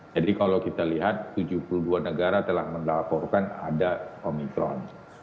jadi kalau kita lihat tujuh puluh dua negara telah melaporkan ada omicron